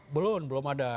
belum belum ada